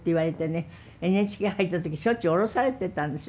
ＮＨＫ入った時しょっちゅう降ろされてたんですよ。